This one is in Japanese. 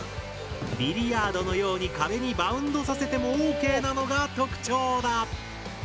ビリヤードのように壁にバウンドさせてもＯＫなのが特徴だ。